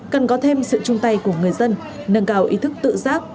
cần có thêm sự chung tay của người dân nâng cao ý thức tự giác